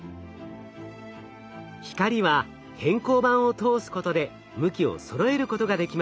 光は偏光板を通すことで向きをそろえることができます。